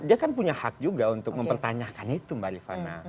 dia kan punya hak juga untuk mempertanyakan itu mbak rifana